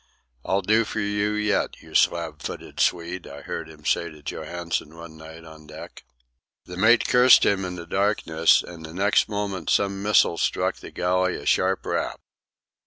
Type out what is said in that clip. "I'll do for you yet, you slab footed Swede," I heard him say to Johansen one night on deck. The mate cursed him in the darkness, and the next moment some missile struck the galley a sharp rap.